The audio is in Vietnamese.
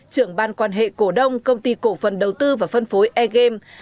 trưởng ban quan hệ cổ đông công ty cổ phần đầu tư và phân phối air game